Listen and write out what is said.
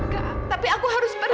enggak tapi aku harus pergi